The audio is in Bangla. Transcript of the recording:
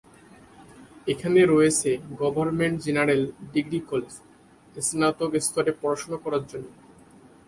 এখানে আছে গভর্নমেন্ট জেনারেল ডিগ্রি কলেজ, স্নাতক স্তরে পড়াশুনো করার জন্য।